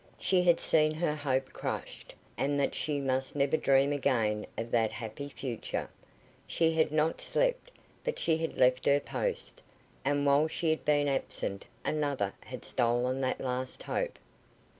She had seen her hope crushed, and that she must never dream again of that happy future. She had not slept, but she had left her post, and while she had been absent another had stolen that last hope.